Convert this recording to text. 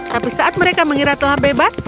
tapi saat mereka mengira telah bebas